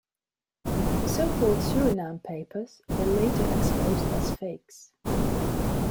The so-called Suriname papers were later exposed as fakes.